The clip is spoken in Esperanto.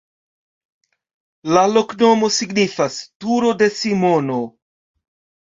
La loknomo signifas: turo de Simono.